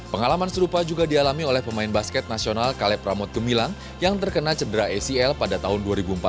pengalaman serupa juga dialami oleh pemain basket nasional kaleb ramut gemilang yang terkena cedera acl pada tahun dua ribu empat belas